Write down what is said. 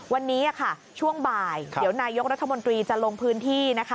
วันนี้ค่ะช่วงบ่ายเดี๋ยวนายกรัฐมนตรีจะลงพื้นที่นะคะ